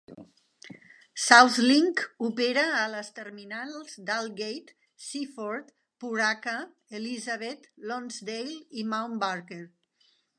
SouthLink opera a les terminals d'Aldgate, Seaford, Pooraka, Elizabeth, Lonsdale i Mount Barker.